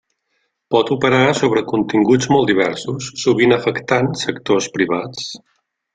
Pot operar sobre continguts molt diversos, sovint afectant sectors privats.